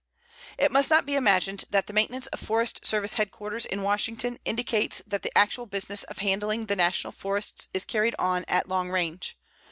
It must not be imagined that the maintenance of Forest Service headquarters in Washington indicates that the actual business of handling the National Forests is carried on at long range.